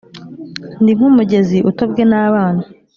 Ndi nk'umugezi utobwe n’abana